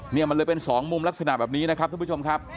นี่มันเลยเป็นสองมุมลักษณะแบบนี้นะครับทุกผู้ชมครับ